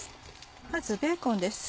まずベーコンです。